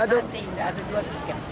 tidak ada jual tiket